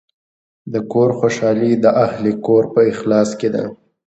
د کور خوشحالي د اهلِ کور په اخلاص کې ده.